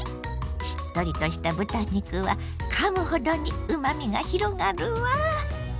しっとりとした豚肉はかむほどにうまみが広がるわ。